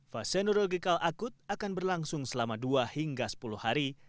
fase neurological akut akan berlangsung selama dua hingga sepuluh hari